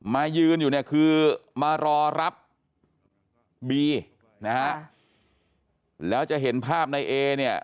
ยืนอยู่เนี่ยคือมารอรับบีนะฮะแล้วจะเห็นภาพในเอเนี่ย